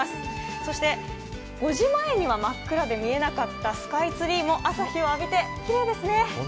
そして、５時前には真っ暗で見えなかったスカイツリーも朝日を浴びて、きれいですね。